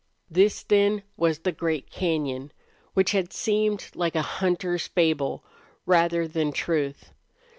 This, then, was the great cañon, which had seemed like a hunter's fable rather than truth.